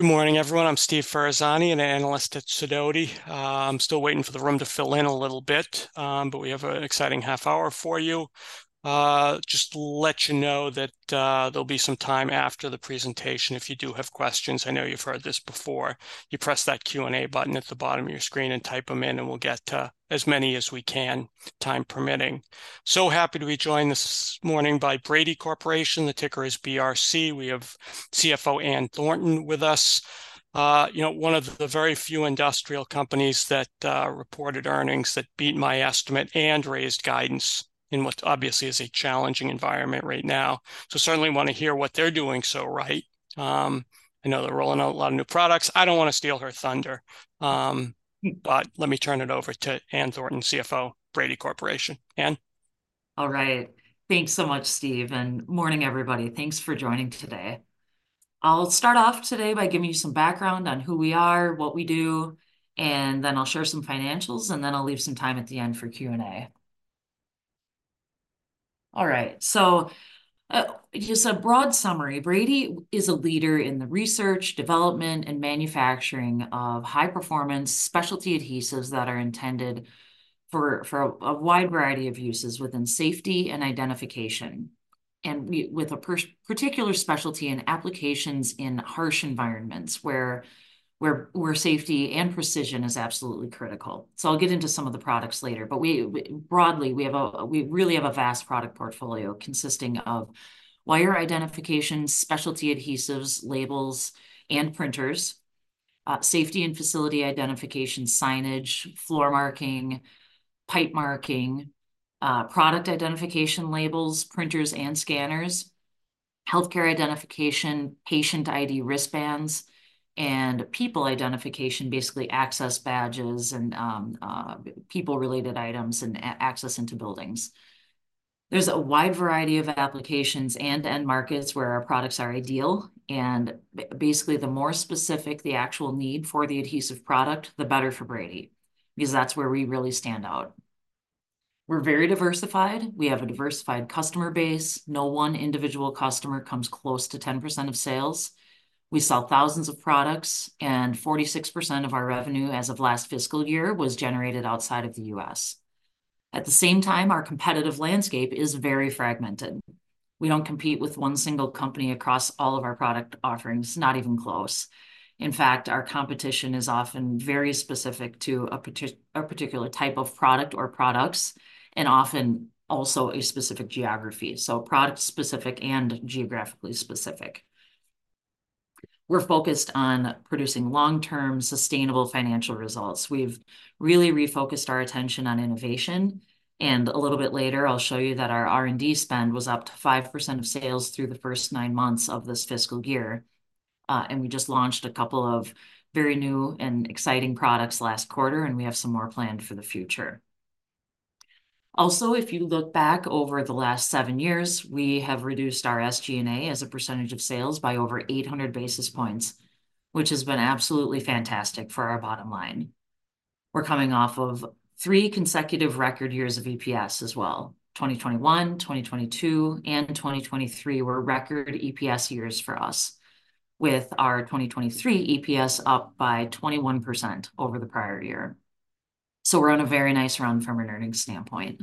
Good morning, everyone. I'm Steve Ferazani, an analyst at Sidoti. I'm still waiting for the room to fill in a little bit, but we have an exciting half hour for you. Just to let you know that, there'll be some time after the presentation if you do have questions. I know you've heard this before. You press that Q&A button at the bottom of your screen and type them in, and we'll get to as many as we can, time permitting. So happy to be joined this morning by Brady Corporation. The ticker is BRC. We have CFO Ann Thornton with us. You know, one of the very few industrial companies that reported earnings that beat my estimate and raised guidance in what obviously is a challenging environment right now. So certainly want to hear what they're doing so right. I know they're rolling out a lot of new products. I don't want to steal her thunder, but let me turn it over to Ann Thornton, CFO, Brady Corporation. Ann? All right. Thanks so much, Steve, and morning, everybody. Thanks for joining today. I'll start off today by giving you some background on who we are, what we do, and then I'll share some financials, and then I'll leave some time at the end for Q&A. All right, so just a broad summary. Brady is a leader in the research, development, and manufacturing of high-performance specialty adhesives that are intended for a wide variety of uses within safety and identification, and with a particular specialty in applications in harsh environments where safety and precision is absolutely critical. So I'll get into some of the products later, but broadly, we really have a vast product portfolio consisting of wire identification, specialty adhesives, labels, and printers, safety and facility identification, signage, floor marking, pipe marking, product identification labels, printers and scanners, healthcare identification, patient ID wristbands, and people identification, basically access badges and people-related items and access into buildings. There's a wide variety of applications and end markets where our products are ideal, and basically, the more specific the actual need for the adhesive product, the better for Brady, because that's where we really stand out. We're very diversified. We have a diversified customer base. No one individual customer comes close to 10% of sales. We sell thousands of products, and 46% of our revenue as of last fiscal year was generated outside of the U.S. At the same time, our competitive landscape is very fragmented. We don't compete with one single company across all of our product offerings, not even close. In fact, our competition is often very specific to a particular type of product or products, and often also a specific geography, so product-specific and geographically specific. We're focused on producing long-term, sustainable financial results. We've really refocused our attention on innovation, and a little bit later, I'll show you that our R&D spend was up to 5% of sales through the first nine months of this fiscal year. And we just launched a couple of very new and exciting products last quarter, and we have some more planned for the future. Also, if you look back over the last seven years, we have reduced our SG&A as a percentage of sales by over 800 basis points, which has been absolutely fantastic for our bottom line. We're coming off of three consecutive record years of EPS as well. 2021, 2022, and 2023 were record EPS years for us, with our 2023 EPS up by 21% over the prior year. So we're on a very nice run from an earnings standpoint.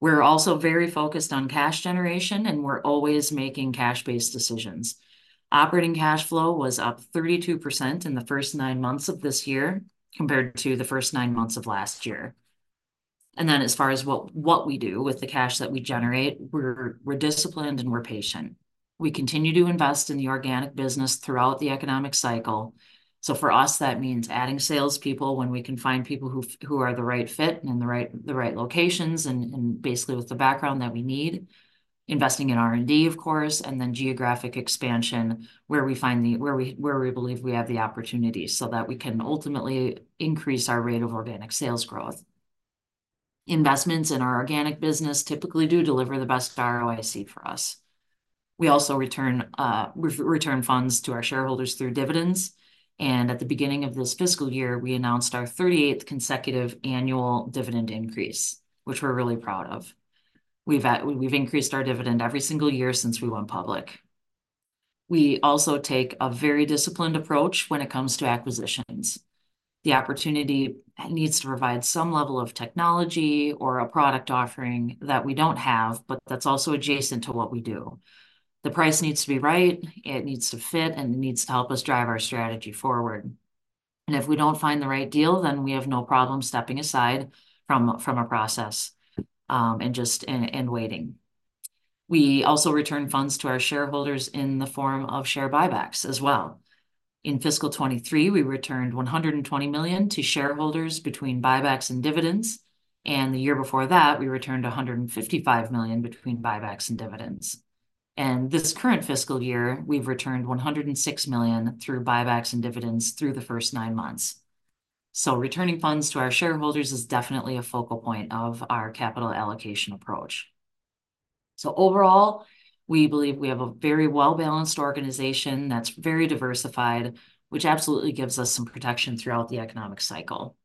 We're also very focused on cash generation, and we're always making cash-based decisions. Operating cash flow was up 32% in the first nine months of this year compared to the first nine months of last year. And then, as far as what we do with the cash that we generate, we're disciplined, and we're patient. We continue to invest in the organic business throughout the economic cycle. So for us, that means adding salespeople when we can find people who are the right fit and in the right, the right locations, and, and basically with the background that we need. Investing in R&D, of course, and then geographic expansion, where we believe we have the opportunity, so that we can ultimately increase our rate of organic sales growth. Investments in our organic business typically do deliver the best ROIC for us. We also return funds to our shareholders through dividends, and at the beginning of this fiscal year, we announced our 38th consecutive annual dividend increase, which we're really proud of. We've increased our dividend every single year since we went public. We also take a very disciplined approach when it comes to acquisitions. The opportunity needs to provide some level of technology or a product offering that we don't have, but that's also adjacent to what we do. The price needs to be right, it needs to fit, and it needs to help us drive our strategy forward. And if we don't find the right deal, then we have no problem stepping aside from a process, and just waiting. We also return funds to our shareholders in the form of share buybacks as well. In fiscal 2023, we returned $120 million to shareholders between buybacks and dividends, and the year before that, we returned $155 million between buybacks and dividends. And this current fiscal year, we've returned $106 million through buybacks and dividends through the first nine months. So returning funds to our shareholders is definitely a focal point of our capital allocation approach. So overall, we believe we have a very well-balanced organization that's very diversified, which absolutely gives us some protection throughout the economic cycle.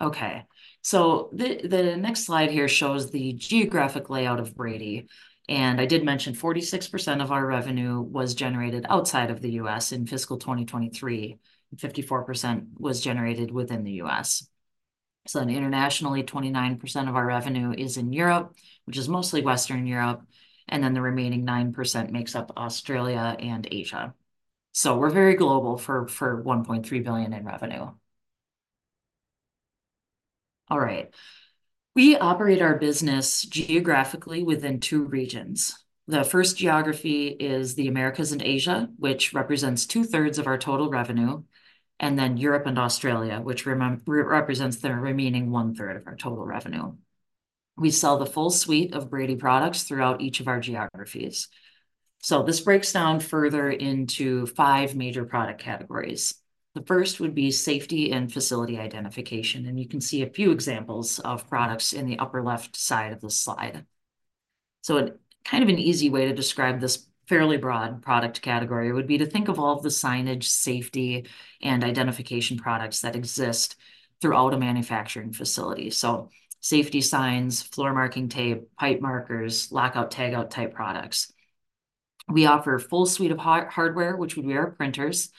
Okay, so the next slide here shows the geographic layout of Brady, and I did mention 46% of our revenue was generated outside of the U.S. in fiscal 2023, and 54% was generated within the U.S. So then internationally, 29% of our revenue is in Europe, which is mostly Western Europe, and then the remaining 9% makes up Australia and Asia. So we're very global for $1.3 billion in revenue. All right. We operate our business geographically within two regions. The first geography is the Americas and Asia, which represents two-thirds of our total revenue, and then Europe and Australia, which represents the remaining one-third of our total revenue. We sell the full suite of Brady products throughout each of our geographies. So this breaks down further into five major product categories. The first would be safety and facility identification, and you can see a few examples of products in the upper-left side of the slide. So, kind of an easy way to describe this fairly broad product category would be to think of all of the signage, safety, and identification products that exist throughout a manufacturing facility. So safety signs, floor marking tape, pipe markers, Lockout/Tagout type products. We offer a full suite of hardware, which would be our printers,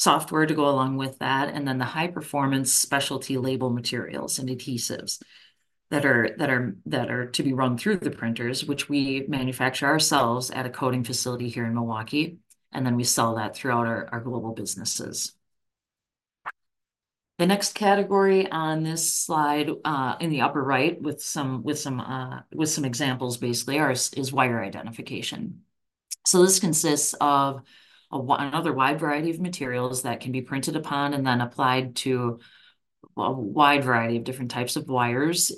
software to go along with that, and then the high-performance specialty label materials and adhesives that are to be run through the printers, which we manufacture ourselves at a coating facility here in Milwaukee, and then we sell that throughout our global businesses. The next category on this slide, in the upper right, with some examples, basically, is wire identification. So this consists of another wide variety of materials that can be printed upon and then applied to a wide variety of different types of wires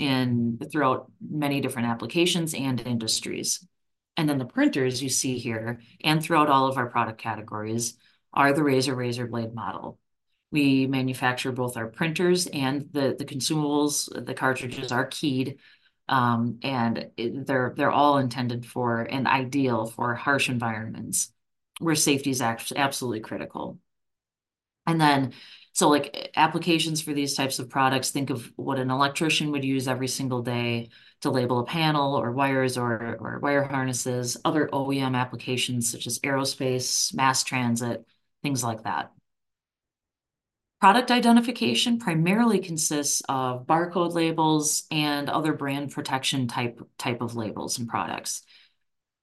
throughout many different applications and industries. And then the printers you see here, and throughout all of our product categories, are the razor/razor blade model. We manufacture both our printers and the consumables. The cartridges are keyed, and they're all intended for and ideal for harsh environments where safety is absolutely critical. Like, applications for these types of products, think of what an electrician would use every single day to label a panel, or wires, or wire harnesses, other OEM applications such as aerospace, mass transit, things like that. Product identification primarily consists of barcode labels and other brand protection type of labels and products.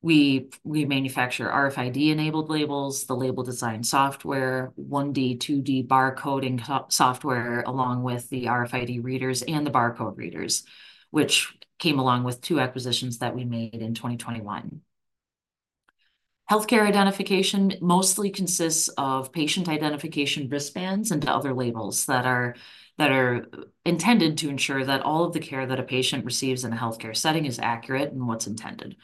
We manufacture RFID-enabled labels, the label design software, 1D/2D barcoding software, along with the RFID readers and the barcode readers, which came along with 2 acquisitions that we made in 2021. Healthcare identification mostly consists of patient identification wristbands and other labels that are intended to ensure that all of the care that a patient receives in a healthcare setting is accurate and what's intended.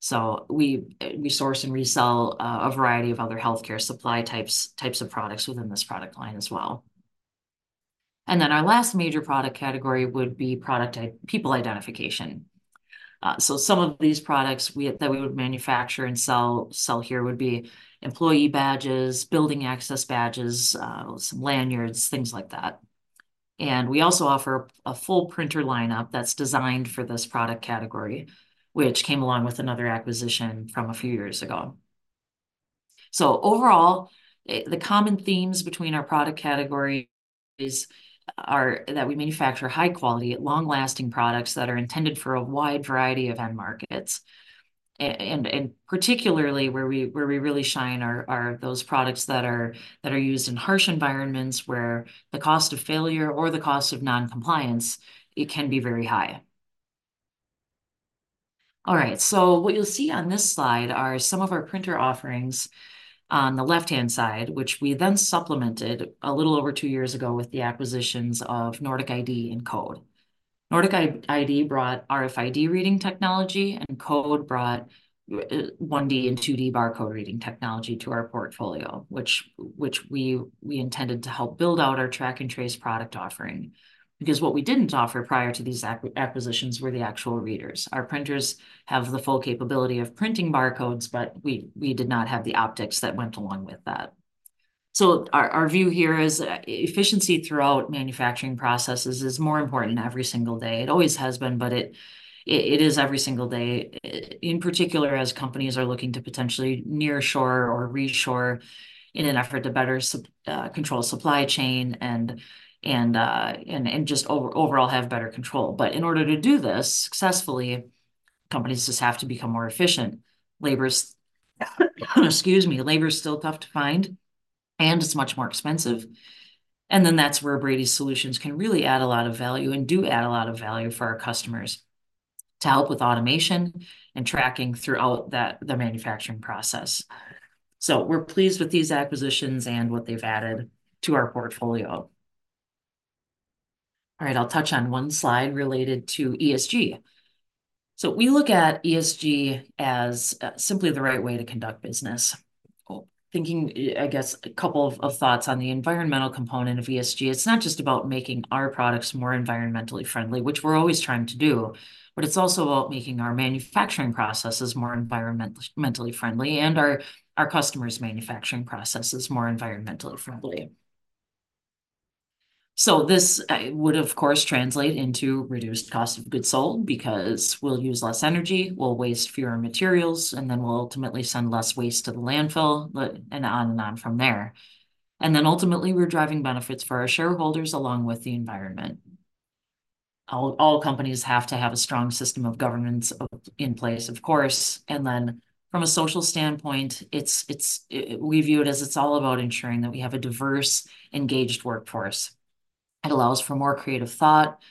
So we source and resell a variety of other healthcare supply types of products within this product line as well. And then our last major product category would be product ID, people identification. So some of these products that we would manufacture and sell here would be employee badges, building access badges, some lanyards, things like that. And we also offer a full printer lineup that's designed for this product category, which came along with another acquisition from a few years ago. So overall, the common themes between our product categories are that we manufacture high-quality, long-lasting products that are intended for a wide variety of end markets. And particularly, where we really shine are those products that are used in harsh environments, where the cost of failure or the cost of non-compliance, it can be very high. All right, so what you'll see on this slide are some of our printer offerings on the left-hand side, which we then supplemented a little over two years ago with the acquisitions of Nordic ID and Code. Nordic ID brought RFID reading technology, and Code brought 1D and 2D barcode reading technology to our portfolio, which we intended to help build out our track-and-trace product offering. Because what we didn't offer prior to these acquisitions were the actual readers. Our printers have the full capability of printing barcodes, but we did not have the optics that went along with that. So our view here is efficiency throughout manufacturing processes is more important every single day. It always has been, but it is every single day, in particular, as companies are looking to potentially nearshore or reshore in an effort to better supply control supply chain and just overall have better control. But in order to do this successfully, companies just have to become more efficient. Labor's still tough to find, and it's much more expensive, and then that's where Brady's solutions can really add a lot of value, and do add a lot of value for our customers to help with automation and tracking throughout that, the manufacturing process. So we're pleased with these acquisitions and what they've added to our portfolio. All right, I'll touch on one slide related to ESG. We look at ESG as simply the right way to conduct business. Well, thinking, I guess a couple of thoughts on the environmental component of ESG, it's not just about making our products more environmentally friendly, which we're always trying to do, but it's also about making our manufacturing processes more environmentally friendly and our customers' manufacturing processes more environmentally friendly... This would of course translate into reduced cost of goods sold, because we'll use less energy, we'll waste fewer materials, and then we'll ultimately send less waste to the landfill, but on and on from there. Ultimately, we're driving benefits for our shareholders, along with the environment. All companies have to have a strong system of governance in place, of course. And then from a social standpoint, it's we view it as it's all about ensuring that we have a diverse, engaged workforce. It allows for more creative thought.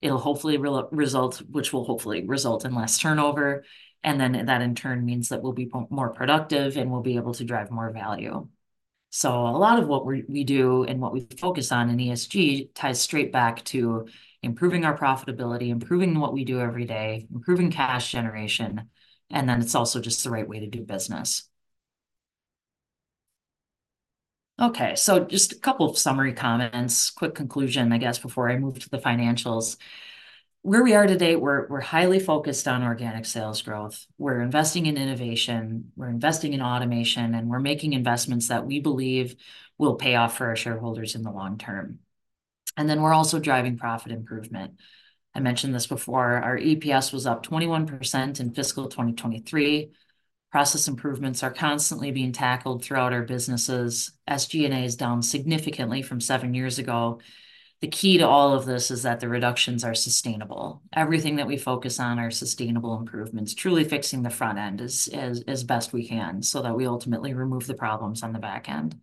It'll hopefully result. Which will hopefully result in less turnover, and then that in turn means that we'll be more productive, and we'll be able to drive more value. So a lot of what we do and what we focus on in ESG ties straight back to improving our profitability, improving what we do every day, improving cash generation, and then it's also just the right way to do business. Okay, so just a couple of summary comments. Quick conclusion, I guess, before I move to the financials. Where we are today, we're highly focused on organic sales growth. We're investing in innovation, we're investing in automation, and we're making investments that we believe will pay off for our shareholders in the long term. And then we're also driving profit improvement. I mentioned this before, our EPS was up 21% in fiscal 2023. Process improvements are constantly being tackled throughout our businesses. SG&A is down significantly from seven years ago. The key to all of this is that the reductions are sustainable. Everything that we focus on are sustainable improvements, truly fixing the front end as best we can, so that we ultimately remove the problems on the back end.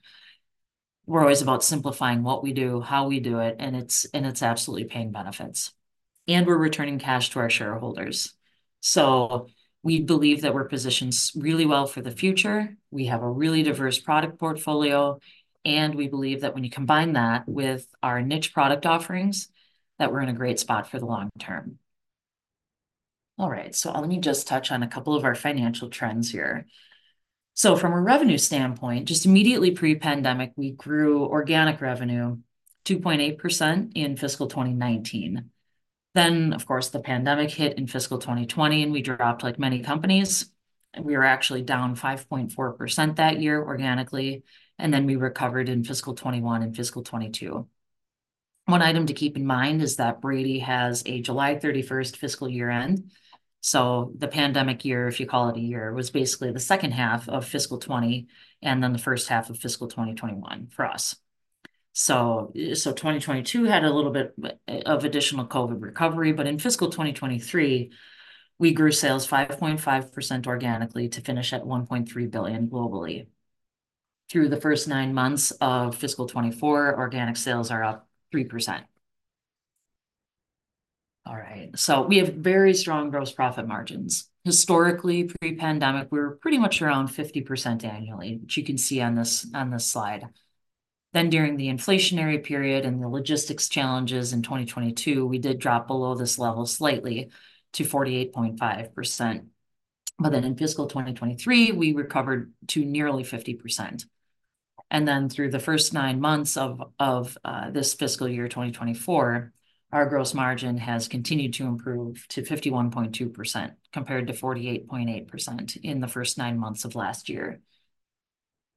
We're always about simplifying what we do, how we do it, and it's absolutely paying benefits, and we're returning cash to our shareholders. So we believe that we're positioned so really well for the future. We have a really diverse product portfolio, and we believe that when you combine that with our niche product offerings, that we're in a great spot for the long term. All right, so let me just touch on a couple of our financial trends here. So from a revenue standpoint, just immediately pre-pandemic, we grew organic revenue 2.8% in fiscal 2019. Then, of course, the pandemic hit in fiscal 2020, and we dropped, like many companies. We were actually down 5.4% that year organically, and then we recovered in fiscal 2021 and fiscal 2022. One item to keep in mind is that Brady has a July 31st fiscal year end, so the pandemic year, if you call it a year, was basically the second half of fiscal 2020, and then the first half of fiscal 2021 for us. So, 2022 had a little bit of additional COVID recovery, but in fiscal 2023, we grew sales 5.5% organically to finish at $1.3 billion globally. Through the first nine months of fiscal 2024, organic sales are up 3%. All right, so we have very strong gross profit margins. Historically, pre-pandemic, we were pretty much around 50% annually, which you can see on this slide. Then, during the inflationary period and the logistics challenges in 2022, we did drop below this level slightly to 48.5%. But then in fiscal 2023, we recovered to nearly 50%. And then through the first nine months of this fiscal year, 2024, our gross margin has continued to improve to 51.2%, compared to 48.8% in the first nine months of last year.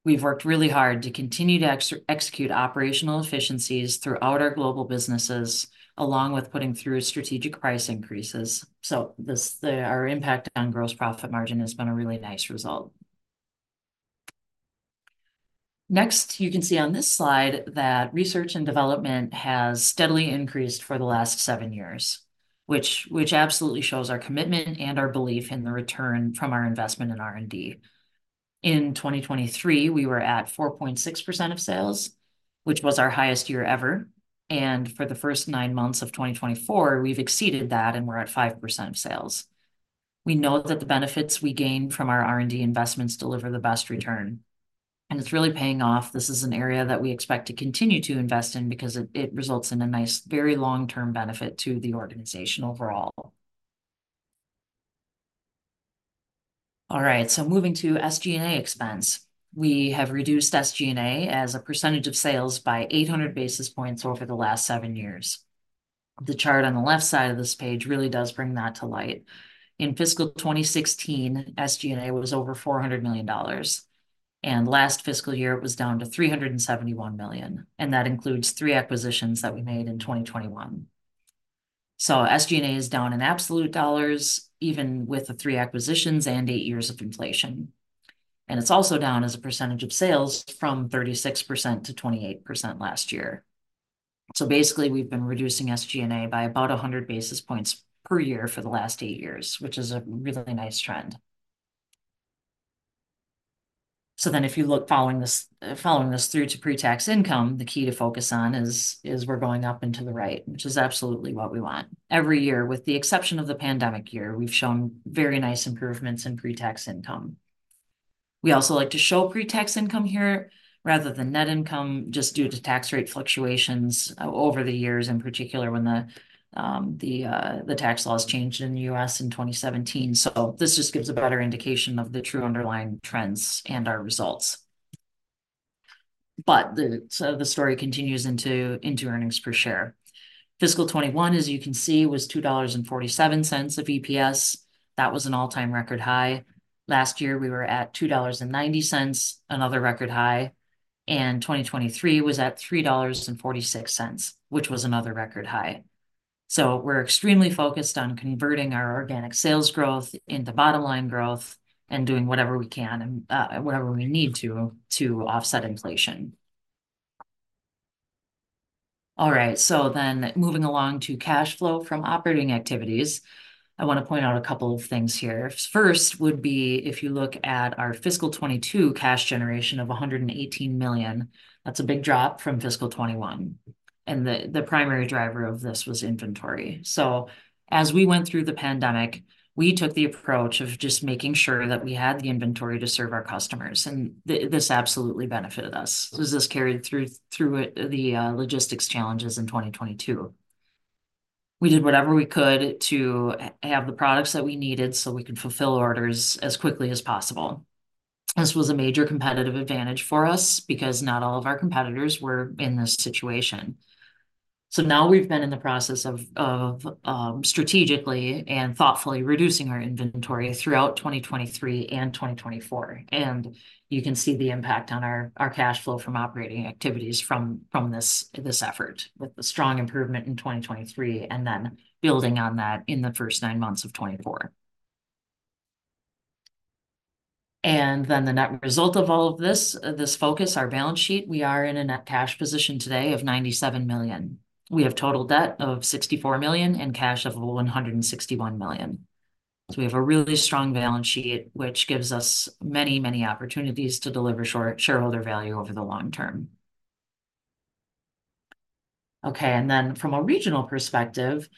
We've worked really hard to continue to execute operational efficiencies throughout our global businesses, along with putting through strategic price increases, so our impact on gross profit margin has been a really nice result. Next, you can see on this slide that research and development has steadily increased for the last seven years, which absolutely shows our commitment and our belief in the return from our investment in R&D. In 2023, we were at 4.6% of sales, which was our highest year ever, and for the first nine months of 2024, we've exceeded that, and we're at 5% of sales. We know that the benefits we gain from our R&D investments deliver the best return, and it's really paying off. This is an area that we expect to continue to invest in, because it, it results in a nice, very long-term benefit to the organization overall. All right, so moving to SG&A expense. We have reduced SG&A as a percentage of sales by 800 basis points over the last 7 years. The chart on the left side of this page really does bring that to light. In fiscal 2016, SG&A was over $400 million, and last fiscal year, it was down to $371 million, and that includes 3 acquisitions that we made in 2021. So SG&A is down in absolute dollars, even with the 3 acquisitions and 8 years of inflation, and it's also down as a percentage of sales from 36%-28% last year. So basically, we've been reducing SG&A by about 100 basis points per year for the last 8 years, which is a really nice trend. So then, if you look following this through to pre-tax income, the key to focus on is we're going up and to the right, which is absolutely what we want. Every year, with the exception of the pandemic year, we've shown very nice improvements in pre-tax income. We also like to show pre-tax income here rather than net income, just due to tax rate fluctuations over the years, in particular, when the tax laws changed in the U.S. in 2017. So this just gives a better indication of the true underlying trends and our results. But so the story continues into earnings per share. Fiscal 2021, as you can see, was $2.47 of EPS. That was an all-time record high. Last year, we were at $2.90, another record high, and 2023 was at $3.46, which was another record high. So we're extremely focused on converting our organic sales growth into bottom line growth, and doing whatever we can and whatever we need to, to offset inflation. All right, so then moving along to cash flow from operating activities, I wanna point out a couple of things here. First would be if you look at our fiscal 2022 cash generation of $118 million, that's a big drop from fiscal 2021, and the primary driver of this was inventory. So as we went through the pandemic, we took the approach of just making sure that we had the inventory to serve our customers, and this absolutely benefited us. So this carried through the logistics challenges in 2022. We did whatever we could to have the products that we needed so we could fulfill orders as quickly as possible. This was a major competitive advantage for us, because not all of our competitors were in this situation. So now we've been in the process of strategically and thoughtfully reducing our inventory throughout 2023 and 2024, and you can see the impact on our cash flow from operating activities from this effort, with a strong improvement in 2023, and then building on that in the first nine months of 2024. And then the net result of all of this focus, our balance sheet, we are in a net cash position today of $97 million. We have total debt of $64 million, and cash of $161 million. So we have a really strong balance sheet, which gives us many, many opportunities to deliver shareholder value over the long term. Okay, and then from a regional perspective,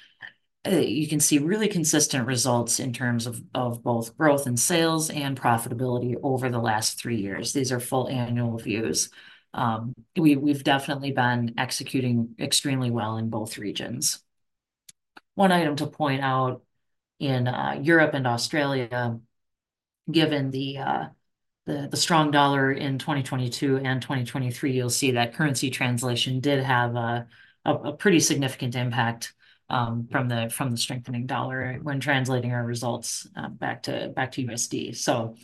you can see really consistent results in terms of both growth in sales and profitability over the last three years. These are full annual views. We have definitely been executing extremely well in both regions. One item to point out in Europe and Australia, given the strong dollar in 2022 and 2023, you'll see that currency translation did have a pretty significant impact from the strengthening dollar when translating our results back to USD. So,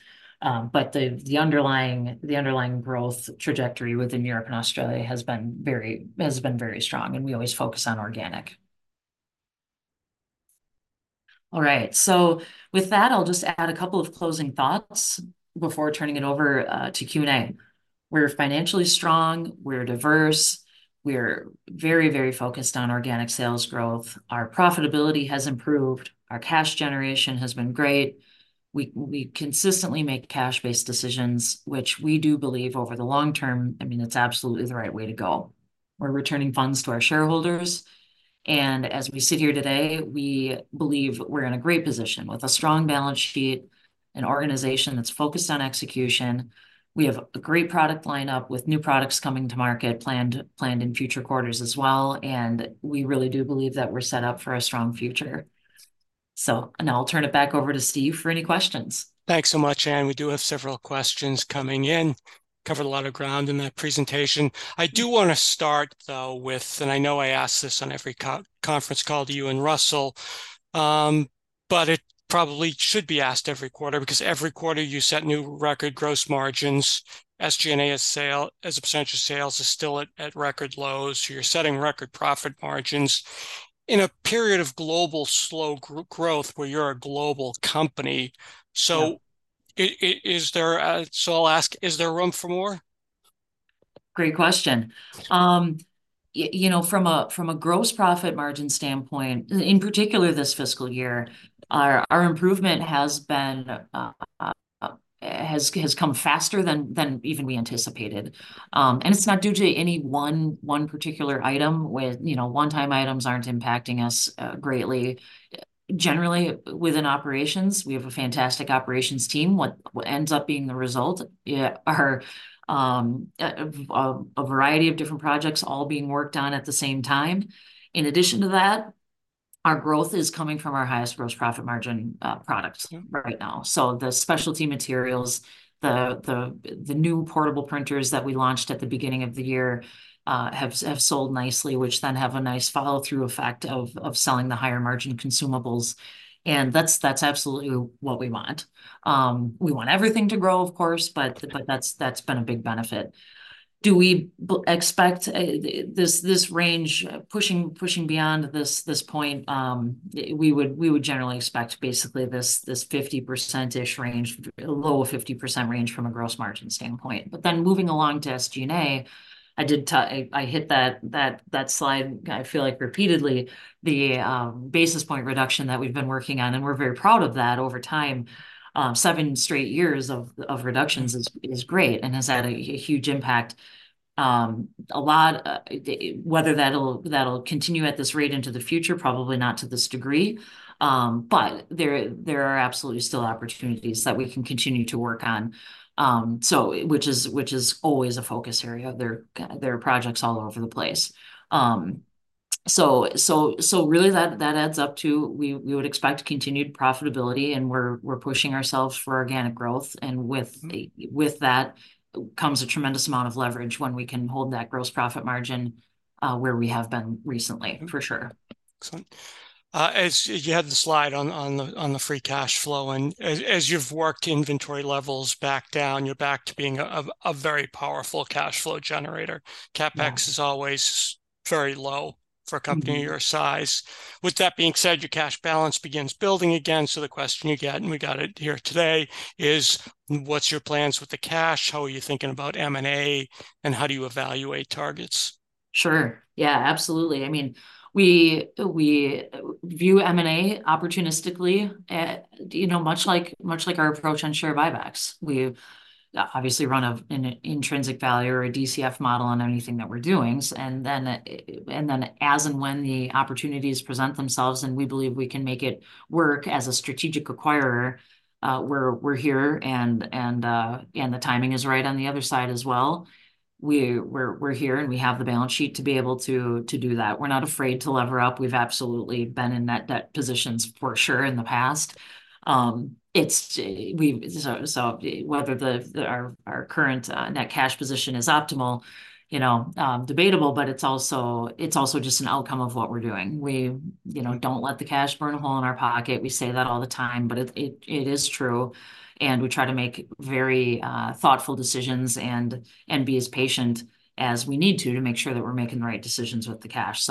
but the underlying growth trajectory within Europe and Australia has been very strong, and we always focus on organic. All right, so with that, I'll just add a couple of closing thoughts before turning it over to Q&A. We're financially strong, we're diverse, we're very, very focused on organic sales growth. Our profitability has improved. Our cash generation has been great. We consistently make cash-based decisions, which we do believe over the long term, I mean, it's absolutely the right way to go. We're returning funds to our shareholders, and as we sit here today, we believe we're in a great position with a strong balance sheet, an organization that's focused on execution. We have a great product line-up, with new products coming to market, planned in future quarters as well, and we really do believe that we're set up for a strong future. So now I'll turn it back over to Steve for any questions. Thanks so much, Ann. We do have several questions coming in. Covered a lot of ground in that presentation. I do wanna start, though, and I know I ask this on every conference call to you and Russell, but it probably should be asked every quarter, because every quarter you set new record gross margins. SG&A as sales as a percentage of sales is still at record lows, so you're setting record profit margins in a period of global slow growth, where you're a global company. So I'll ask, is there room for more? Great question. You know, from a gross profit margin standpoint, in particular this fiscal year, our improvement has come faster than even we anticipated. And it's not due to any one particular item. With you know, one-time items aren't impacting us greatly. Generally, within operations, we have a fantastic operations team. What ends up being the result are a variety of different projects all being worked on at the same time. In addition to that, our growth is coming from our highest gross profit margin products right now. So the specialty materials, the new portable printers that we launched at the beginning of the year, have sold nicely, which then have a nice follow-through effect of selling the higher margin consumables, and that's absolutely what we want. We want everything to grow, of course, but that's been a big benefit. Do we expect this range, pushing beyond this point? We would generally expect basically this 50%-ish range, a low 50% range from a gross margin standpoint. But then moving along to SG&A, I hit that slide, I feel like repeatedly, the basis point reduction that we've been working on, and we're very proud of that, over time. Seven straight years of reductions is great, and has had a huge impact. Whether that'll continue at this rate into the future, probably not to this degree, but there are absolutely still opportunities that we can continue to work on. Which is always a focus area. There are projects all over the place. Really, that adds up to we would expect continued profitability, and we're pushing ourselves for organic growth, and with that comes a tremendous amount of leverage, when we can hold that gross profit margin where we have been recently, for sure. Excellent, as you had the slide on the free cash flow, and as you've worked inventory levels back down, you're back to being a very powerful cash flow generator. CapEx is always very low for a company your size. With that being said, your cash balance begins building again, so the question you get, and we got it here today, is: What's your plans with the cash? How are you thinking about M&A, and how do you evaluate targets? Sure. Yeah, absolutely. I mean, we view M&A opportunistically. You know, much like our approach on share buybacks. We obviously run an intrinsic value or a DCF model on anything that we're doing. And then, as and when the opportunities present themselves, and we believe we can make it work as a strategic acquirer, we're here, and the timing is right on the other side as well. We're here, and we have the balance sheet to be able to do that. We're not afraid to lever up. We've absolutely been in net debt positions for sure in the past. It's so whether our current net cash position is optimal, you know, debatable, but it's also just an outcome of what we're doing. We, you know, don't let the cash burn a hole in our pocket. We say that all the time, but it is true, and we try to make very, you know, thoughtful decisions and be as patient as we need to, to make sure that we're making the right decisions with the cash.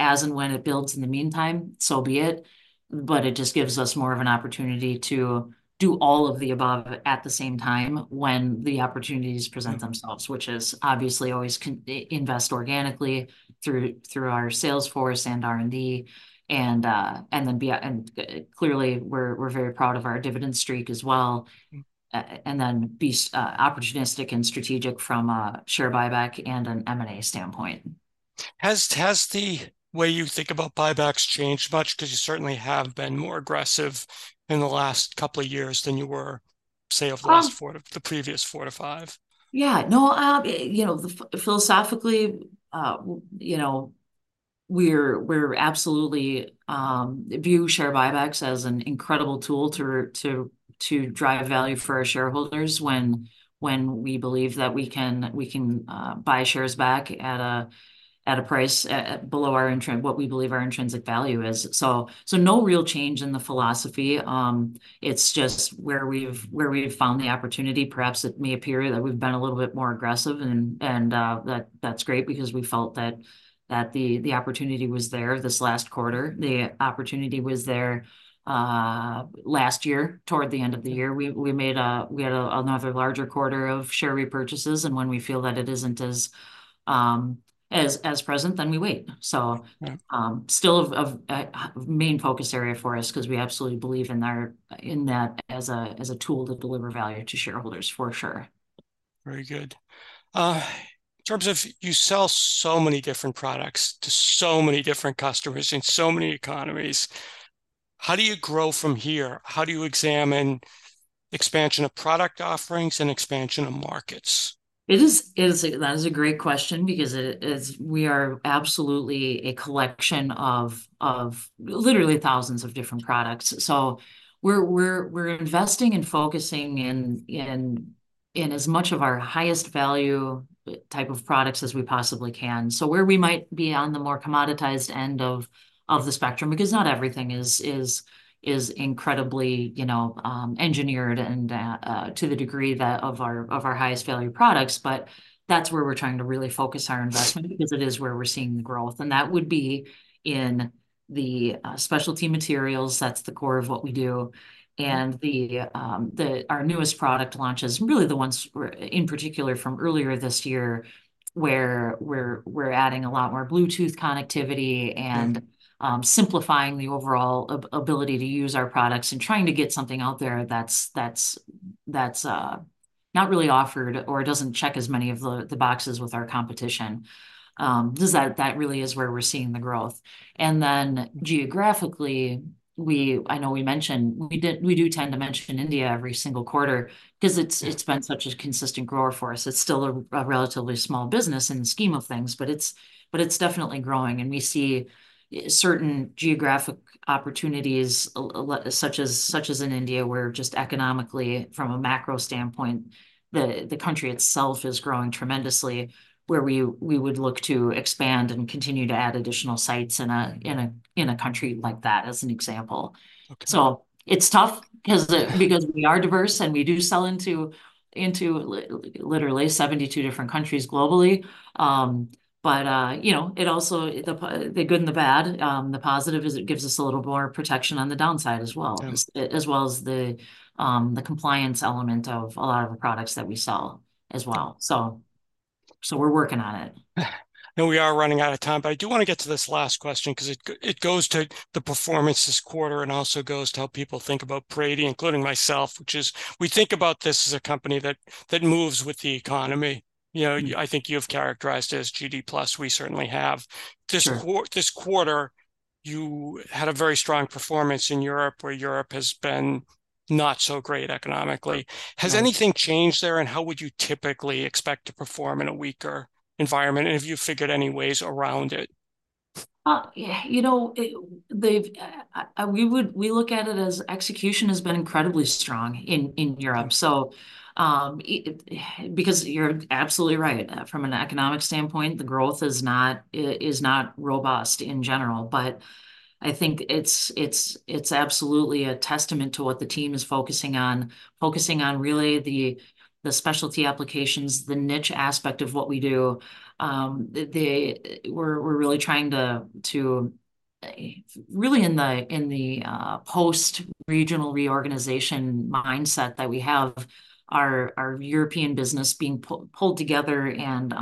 As and when it builds in the meantime, so be it, but it just gives us more of an opportunity to do all of the above at the same time when the opportunities present themselves, which is obviously always invest organically through, you know, our sales force and R&D, and then be... And, clearly, we're very proud of our dividend streak as well. And then be opportunistic and strategic from a share buyback and an M&A standpoint. Has the way you think about buybacks changed much? because you certainly have been more aggressive in the last couple of years than you were, say, over the last 4, the previous 4-5. Yeah. No, you know, philosophically, you know, we're, we're absolutely view share buybacks as an incredible tool to, to, to drive value for our shareholders when, when we believe that we can, we can buy shares back at a, at a price below what we believe our intrinsic value is. So, so no real change in the philosophy. It's just where we've, where we've found the opportunity, perhaps it may appear that we've been a little bit more aggressive, and, and, that, that's great because we felt that, that the, the opportunity was there this last quarter. The opportunity was there, last year. Toward the end of the year, We had a, another larger quarter of share repurchases, and when we feel that it isn't as present, then we wait. So still a main focus area for us, because we absolutely believe in that as a tool to deliver value to shareholders, for sure. Very good. In terms of you sell so many different products to so many different customers in so many economies, how do you grow from here? How do you examine expansion of product offerings and expansion of markets? It is a great question because it is. We are absolutely a collection of literally thousands of different products. So we're investing and focusing in as much of our highest value type of products as we possibly can. So, where we might be on the more commoditized end of the spectrum, because not everything is incredibly, you know, engineered, and to the degree that of our highest value products, but that's where we're trying to really focus our investment, because it is where we're seeing the growth, and that would be in the specialty materials. That's the core of what we do. And our newest product launches, really the ones we're in particular from earlier this year, where we're adding a lot more Bluetooth connectivity and simplifying the overall ability to use our products and trying to get something out there that's not really offered or doesn't check as many of the boxes with our competition, is that really is where we're seeing the growth. And then geographically, we... I know we mentioned, we do tend to mention India every single quarter 'cause it's been such a consistent grower for us. It's still a relatively small business in the scheme of things, but it's definitely growing, and we see certain geographic opportunities, such as in India, where just economically, from a macro standpoint, the country itself is growing tremendously, where we would look to expand and continue to add additional sites in a country like that, as an example. So it's tough, because we are diverse, and we do sell into literally 72 different countries globally. But you know, it also, the good and the bad, the positive is it gives us a little more protection on the downside as well as the compliance element of a lot of the products that we sell as well. So, we're working on it. We are running out of time, but I do wanna get to this last question, 'cause it goes to the performance this quarter and also goes to how people think about Brady, including myself, which is, we think about this as a company that, that moves with the economy. You know I think you've characterized it as GDP plus. We certainly have. This quarter, you had a very strong performance in Europe, where Europe has been not so great economically. Has anything changed there, and how would you typically expect to perform in a weaker environment? Have you figured any ways around it? You know, we look at it as execution has been incredibly strong in Europe. So, because you're absolutely right. From an economic standpoint, the growth is not robust in general. But I think it's absolutely a testament to what the team is focusing on, really, the specialty applications, the niche aspect of what we do. We're really trying to, really, in the post-regional reorganization mindset that we have, our European business being pulled together and,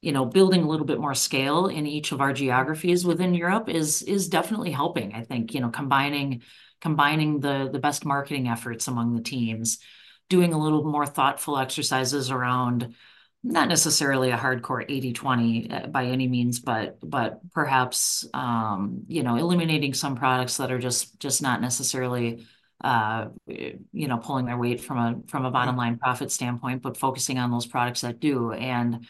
you know, building a little bit more scale in each of our geographies within Europe is definitely helping. I think, you know, combining the best marketing efforts among the teams, doing a little more thoughtful exercises around not necessarily a hardcore 80/20 by any means, but perhaps, you know, eliminating some products that are just not necessarily, you know, pulling their weight from a bottom line profit standpoint, but focusing on those products that do. And,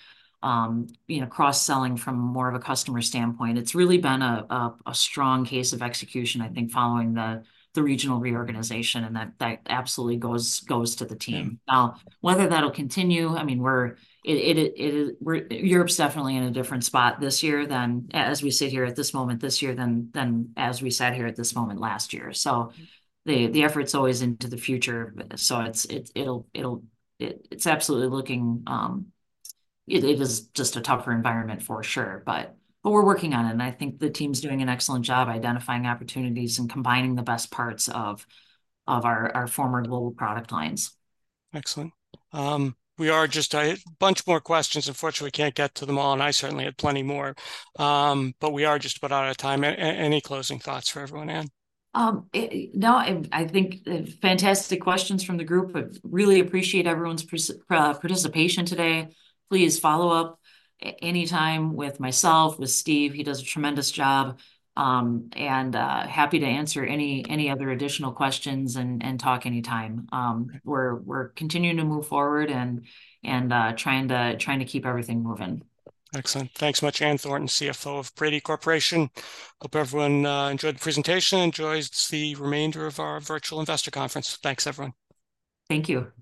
you know, cross-selling from more of a customer standpoint. It's really been a strong case of execution, I think, following the regional reorganization, and that absolutely goes to the team. Now, whether that'll continue, I mean, Europe's definitely in a different spot this year than as we sit here at this moment this year, than as we sat here at this moment last year. So the effort's always into the future. So it's absolutely looking... It is just a tougher environment, for sure. But we're working on it, and I think the team's doing an excellent job identifying opportunities and combining the best parts of our former global product lines. Excellent. We are just... bunch more questions. Unfortunately, can't get to them all, and I certainly had plenty more. But we are just about out of time. Any closing thoughts for everyone, Ann? I think fantastic questions from the group. I really appreciate everyone's participation today. Please follow up anytime with myself, with Steve. He does a tremendous job. And happy to answer any other additional questions and talk anytime. We're continuing to move forward and trying to keep everything moving. Excellent. Thanks so much, Ann Thornton, CFO of Brady Corporation. Hope everyone enjoyed the presentation, enjoys the remainder of our virtual investor conference. Thanks, everyone. Thank you.